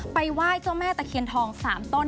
ไปไหว้เจ้าแม่ตะเคียนทอง๓ต้น